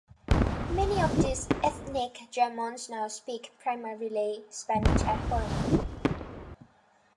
Many of these ethnic Germans now speak primarily Spanish at home.